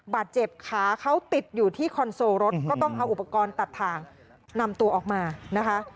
บาดเจ็บขาเขาติดอยู่ที่คอนโซลรถก็ต้องเอาอุปกรณ์ตัดทางนำตัวออกมานะคะ